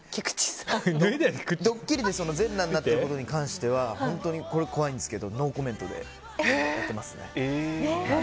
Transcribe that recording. ドッキリで全裸になってることに関しては本当に、これ、怖いんですけどノーコメントでやってますね。